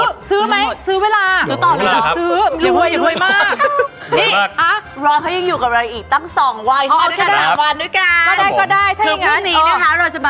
คัมว่าการฟรีสไตล์ต้องเต้นไงครับ